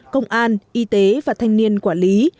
công an y tế và thanh niên quản lý